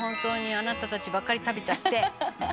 あなたたちばかり食べちゃって」